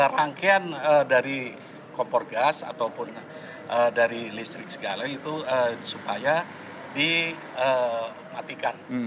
rangkaian dari kompor gas ataupun dari listrik segala gitu supaya di matikan